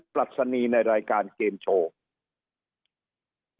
ปรัชนีในรายการเกมโชว์